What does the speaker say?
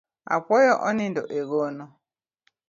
Apuoyo onindo e gono